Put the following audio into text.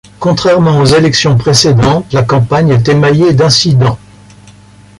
Contrairement aux élections précédentes, la campagne est émaillée d'incidents.